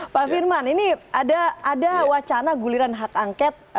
pak firman ini ada wacana guliran hak angket